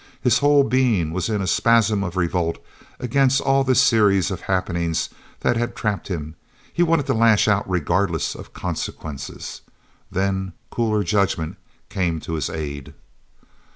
His whole being was in a spasm of revolt against all this series of happenings that had trapped him; he wanted to lash out regardless of consequences. Then cooler judgment came to his aid.